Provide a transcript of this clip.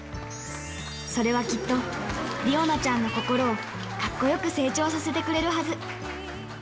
それはきっと、理央奈ちゃんの心をかっこよく成長させてくれるはず。